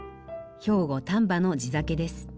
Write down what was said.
兵庫・丹波の地酒です。